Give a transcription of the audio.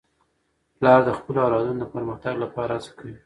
پلار د خپلو اولادونو د پرمختګ لپاره هڅه کوي.